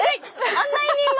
案内人は？